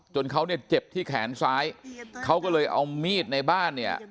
เขาเนี่ยเจ็บที่แขนซ้ายเขาก็เลยเอามีดในบ้านเนี่ย